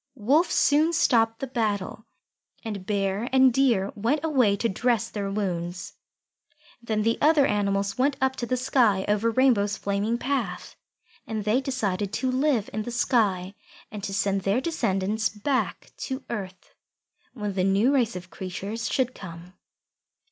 Wolf soon stopped the battle, and Bear and Deer went away to dress their wounds. Then the other animals went up to the sky over Rainbow's flaming path. And they decided to live in the sky and to send their descendants back to earth when the new race of creatures should come.